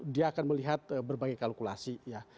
dia akan melihat berbagai kalkulasi ya